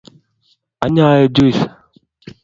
Anyaee juis